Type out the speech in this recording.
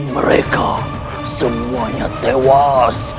mereka semuanya tewas